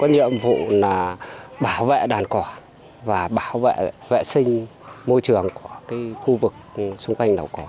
nhiệm vụ là bảo vệ đàn cỏ và bảo vệ vệ sinh môi trường của khu vực xung quanh đảo cỏ